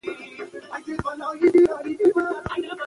پېیر کوري د وسایلو د پاکوالي مسؤلیت درلود.